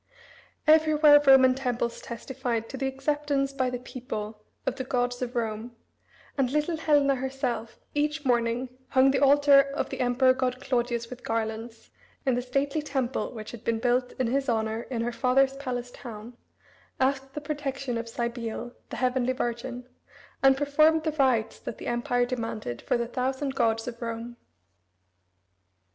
Everywhere Roman temples testified to the acceptance by the people of the gods of Rome, and little Helena herself each morning hung the altar of the emperor god Claudius with garlands in the stately temple which had been built in his honor in her father's palace town, asked the protection of Cybele, "the Heavenly Virgin," and performed the rites that the Empire demanded for "the thousand gods of Rome."